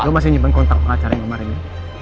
lo masih nyimpen kontak pengacara yang kemarin ya